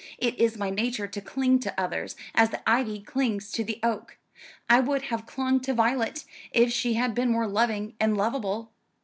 It is my nature to cling to others, as the ivy clings to the oak. I would have clung to Violet, if she had been more loving and lovable.